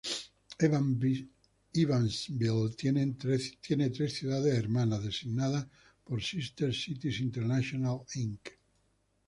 Evansville tiene tres ciudades hermanas, designadas por Sister Cities International, Inc.